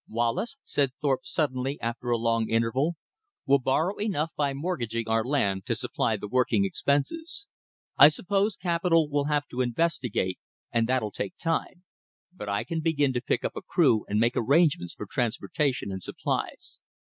"Wallace," said Thorpe suddenly after a long interval, "we'll borrow enough by mortgaging our land to supply the working expenses. I suppose capital will have to investigate, and that'll take time; but I can begin to pick up a crew and make arrangements for transportation and supplies.